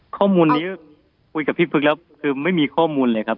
ข้อมูลนี้คุยกับพี่พึกแล้วคือไม่มีข้อมูลเลยครับ